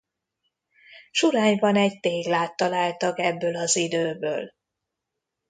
Surányban egy téglát találtak ebből az időből.